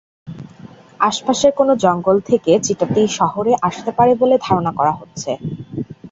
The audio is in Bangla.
আশপাশের কোনো জঙ্গল থেকে চিতাটি শহরে আসতে পারে বলে ধারণা করা হচ্ছে।